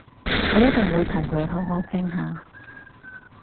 我一定會同佢好好傾下